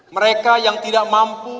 mereka yang tidak mampu